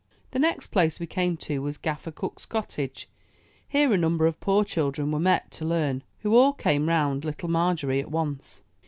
The next place we came to was Gaffer Cook's cot tage. Here a number of poor children were met to learn, who all came round Little Margery at once.